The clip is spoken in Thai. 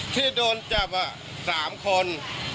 ที่โดนจับ๓คน